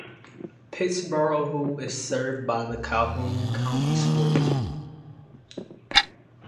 Pittsboro is served by the Calhoun County School District.